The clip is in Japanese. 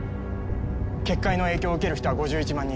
決壊の影響を受ける人は５１万人。